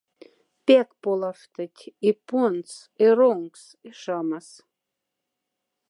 Пяк полафтоть и пондс, и ронгс, и шамас.